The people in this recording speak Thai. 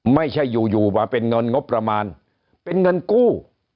ไม่ใช่อยู่อยู่มาเป็นเงินงบประมาณเป็นเงินกู้